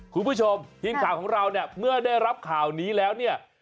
คุณผู้ชมทีมข่าวของเราเนี่ยเมื่อได้รับข่าวนี้แล้วเนี่ย